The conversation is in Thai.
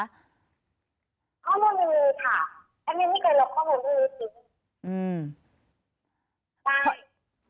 ข้อมูลมีค่ะแอดมินที่เคยลบข้อมูลไม่มีทิ้ง